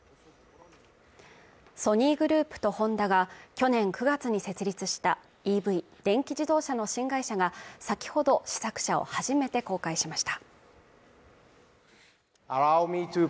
ソニーグループとホンダが去年９月に設立したＥＶ＝電気自動車の新会社が先ほど試作車を初めて公開しました